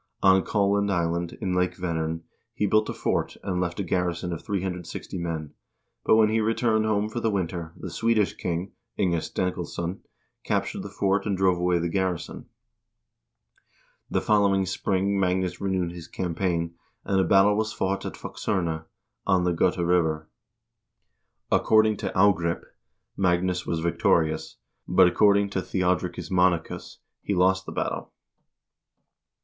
On Kaland Island, in Lake Venern, he built a fort, and left a garrison of 360 men, but when he returned home for the winter, the Swedish king, Inge Stenkilsson, captured the fort and drove away the garrison. The following spring Magnus renewed his campaign, and a battle was fought at Fuxerna, on the Gota River. According to "Agrip," Magnus was victorious, but according to Theodricus Monachus he lost the battle.